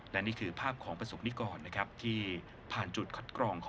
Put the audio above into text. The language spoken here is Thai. และนี่คือภาพของประสบนิกรนะครับที่ผ่านจุดคัดกรอง